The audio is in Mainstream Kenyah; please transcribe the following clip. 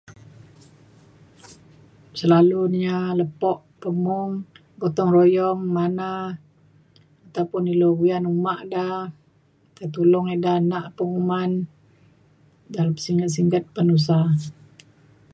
selalu na ia’ lepo pemung gotong royong mana ataupun ilu uyan uma da tei tulong ida nak penguman dalem singget singget penusa